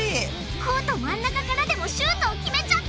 コート真ん中からでもシュートを決めちゃった！